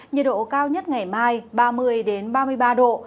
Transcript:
nhiệt độ cao nhất ngày mai ba mươi ba mươi ba độ